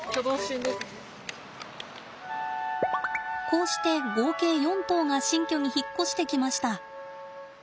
こうして合計４頭が新居に引っ越してきました。